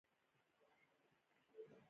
آیا د ایران خودرو شرکت لوی نه دی؟